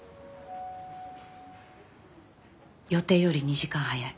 予定より２時間早い。